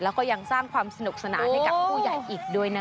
แล้วก็ยังสร้างความสนุกสนานให้กับผู้ใหญ่อีกด้วยนะคะ